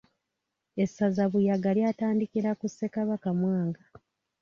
Essaza Buyaga lyatandikira ku Ssekabaka Mwanga